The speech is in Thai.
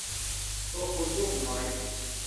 ตัวคูณร่วมน้อย